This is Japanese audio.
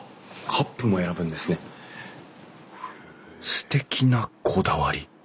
すてきなこだわり。